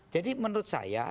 jadi menurut saya